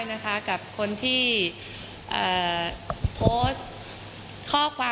คุณจะดำเนินคดีกับผู้ที่โฟนตัดต่อทุกนี้